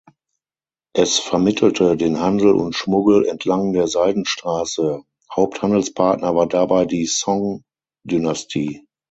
Es vermittelte den Handel und Schmuggel entlang der Seidenstraße; Haupthandelspartner war dabei die Song-Dynastie.